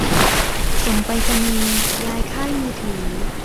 ส่งไปรษณีย์ ย้ายค่ายมือถือ